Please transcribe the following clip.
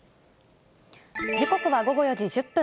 時刻は午後４時１０分。